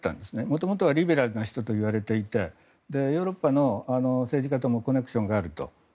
元々はリベラルな人といわれていてヨーロッパの政治家ともコネクションがあると。